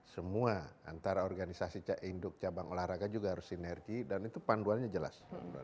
semua antara organisasi induk cabang olahraga juga harus sinergi dan itu panduannya jelas